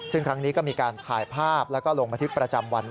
ซึ่งครั้งนี้ก็มีการถ่ายภาพแล้วก็ลงบันทึกประจำวัน